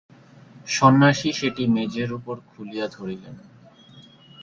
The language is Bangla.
সন্ন্যাসী সেটি মেজের উপর খুলিয়া ধরিলেন।